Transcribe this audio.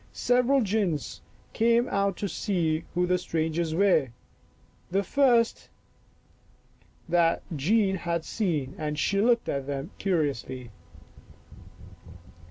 Several gins 1 came out to see who the strangers were, 1 Black women. " Lost I " 63 the first that Jean had seen, and she looked at them curiously.